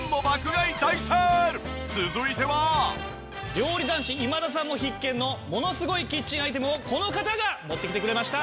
料理男子今田さんも必見のものすごいキッチンアイテムをこの方が持ってきてくれました。